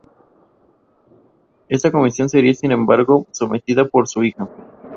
Esta conversión sería sin embargo desmentida por su hija.